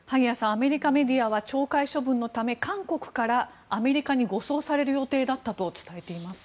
アメリカメディアは懲戒処分のため韓国からアメリカに護送される予定だったと伝えています。